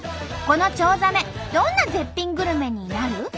このチョウザメどんな絶品グルメになる？